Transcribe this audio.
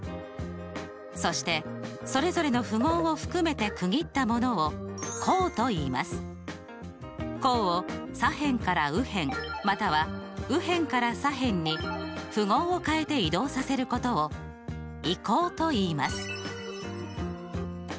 そしてそれぞれの符号を含めて区切ったものを項を左辺から右辺または右辺から左辺に符号を変えて移動させることを移項といいます。